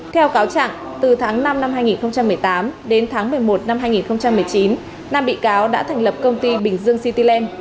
theo cáo trạng từ tháng năm năm hai nghìn một mươi tám đến tháng một mươi một năm hai nghìn một mươi chín nam bị cáo đã thành lập công ty bình dương cityland